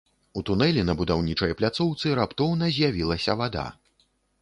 У тунэлі на будаўнічай пляцоўцы раптоўна з'явілася вада.